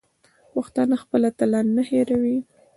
پښتانه خپل اتلان نه هېروي.